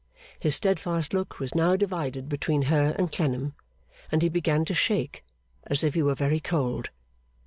His steadfast look was now divided between her and Clennam, and he began to shake as if he were very cold.